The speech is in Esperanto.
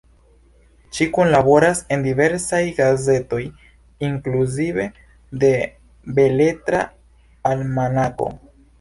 Ŝi kunlaboras en diversaj gazetoj, inkluzive de Beletra Almanako.